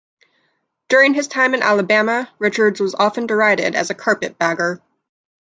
During his time in Alabama, Richards was often derided as a "carpetbagger".